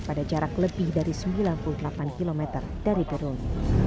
pada jarak lebih dari sembilan puluh delapan km dari turun